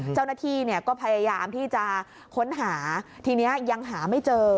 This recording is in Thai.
เจ้าหน้าที่เนี่ยก็พยายามที่จะค้นหาทีนี้ยังหาไม่เจอ